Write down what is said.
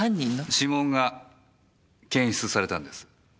指紋が検出されたんです。